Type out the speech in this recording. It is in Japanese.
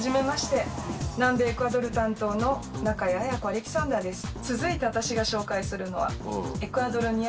南米エクアドル担当の中谷綾子アレキサンダーです。